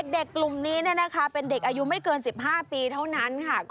เด็กกลุ่มนี้เป็นเด็กอายุไม่เกิน๑๕ปีเท่านั้นค่ะ